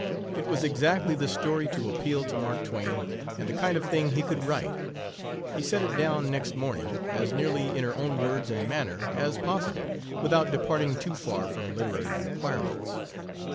It was exactly the story to appeal to Mark Twain, and the kind of thing he could write. He set it down next morning, as nearly in her own words and manner as possible, without departing too far from literary requirements.